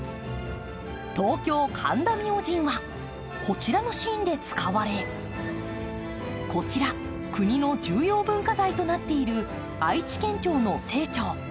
東京・神田明神は、こちらのシーンで使われこちら、国の重要文化財となっている愛知県庁の正庁。